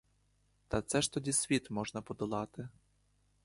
Та це ж тоді світ можна подолати!